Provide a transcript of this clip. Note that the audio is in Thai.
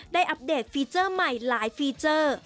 อัปเดตฟีเจอร์ใหม่หลายฟีเจอร์